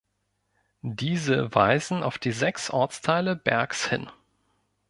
Diese weisen auf die sechs Ortsteile Bergs hin.